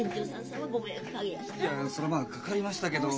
そりゃまあかかりましたけど。